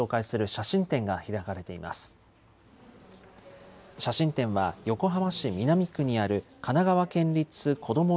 写真展は横浜市南区にある、神奈川県立こども